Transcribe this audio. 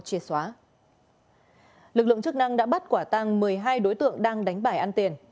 triệt xóa lực lượng chức năng đã bắt quả tăng một mươi hai đối tượng đang đánh bài ăn tiền